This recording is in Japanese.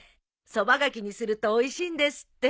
そばがきにするとおいしいんですって。